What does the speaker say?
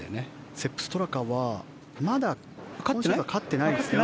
セップ・ストラカはまだ勝ってないですね。